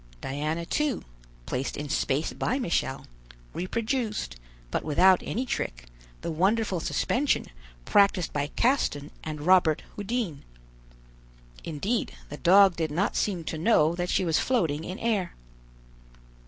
Diana too, placed in space by Michel, reproduced, but without any trick, the wonderful suspension practiced by Caston and Robert Houdin. Indeed the dog did not seem to know that she was floating in air.